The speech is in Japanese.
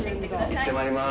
行ってまいります。